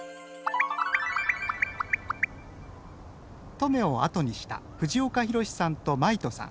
登米を後にした藤岡弘、さんと真威人さん。